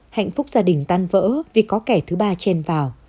hạnh phúc gia đình tan vỡ vì có kẻ thứ ba trên vào